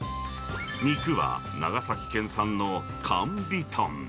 肉は長崎県産のかんび豚。